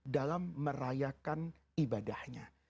dalam merayakan ibadahnya